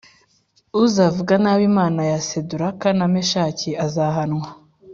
uzavuga nabi Imana ya Saduraka na Meshaki azahanwa